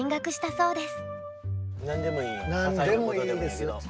そうです。